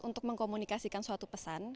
untuk mengkomunikasikan suatu pesan